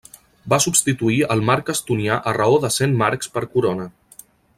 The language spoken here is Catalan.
Va substituir el marc estonià a raó de cent marcs per corona.